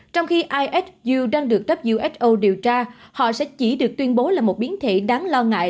trong khi is dù đang được who điều tra họ sẽ chỉ được tuyên bố là một biến thể đáng lo ngại